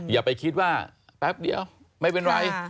อย่าไปคิดว่าแป๊บเดียวไม่เป็นไร